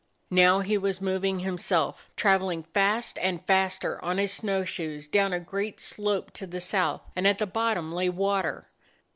Now he was moving himself, traveling fast and faster on his snow shoes down a great slope to the south, and at the bottom lay water.